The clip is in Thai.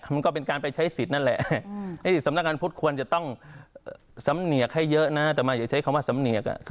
มันก็เป็นการไปใช้สิทธิ์นั่นแหละสำนักงานพุทธควรจะต้องสำเนียกให้เยอะนะแต่มาอย่าใช้คำว่าสำเนียก